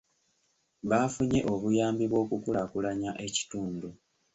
Baafunye obuyambi bw'okukulaakulanya ekitundu.